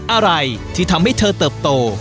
อะไรที่ทำให้เธอเติบโต